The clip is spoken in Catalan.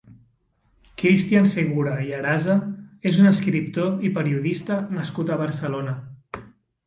Cristian Segura i Arasa és un escriptor i periodista nascut a Barcelona.